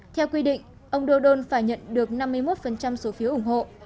theo quy định ông dodon phải nhận được năm mươi một số phiếu ủng hộ